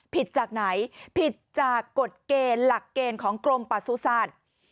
ผิดจากไหนผิดจากกฎเกณฑ์หลักเกณฑ์ของกรมประสุทธิ์